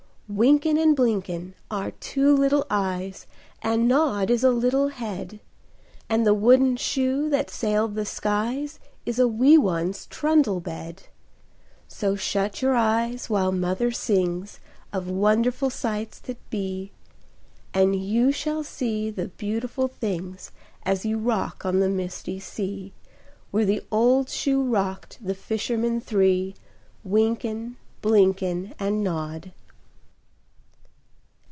Wynken and Blynken are two little eyes, And Nod is a little head, And the wooden shoe that sailed the skies Is a wee one's trundle bed; So shut your eyes while Mother sings Of wonderful sights that be, And you shall see the beautiful things As you rock on the misty sea Where the old shoe rocked the fishermen three, Wynken, Blynken, And Nod.